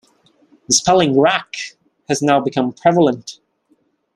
The spelling 'rack' has now become prevalent.